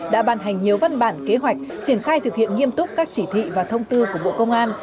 đã ban hành nhiều văn bản kế hoạch triển khai thực hiện nghiêm túc các chỉ thị và thông tư của bộ công an